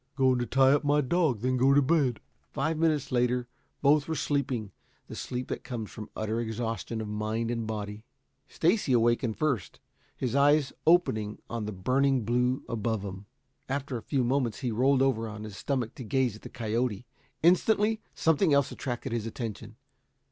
"Going to tie up my dog, then go to bed." Five minutes later both were sleeping the sleep that comes from utter exhaustion of mind and body. Stacy awakened first, his eyes opening on the burning blue above him. After a few moments he rolled over on his stomach to gaze at the coyote. Instantly something else attracted his attention.